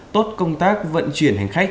tốt công tác vận chuyển hành khách